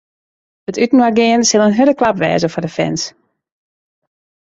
It útinoargean sil in hurde klap wêze foar de fans.